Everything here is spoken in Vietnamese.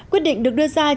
quyết định được đưa ra trong